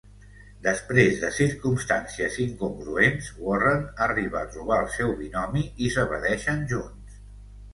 Després de circumstàncies incongruents, Warren arriba a trobar el seu binomi i s'evadeixen junts.